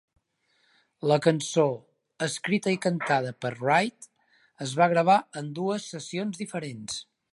La cançó, escrita i cantada per Wright, es va gravar en dues sessions diferents.